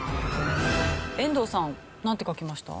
遠藤さんなんて書きました？